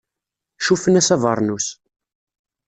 Cuffen-as abeṛnus.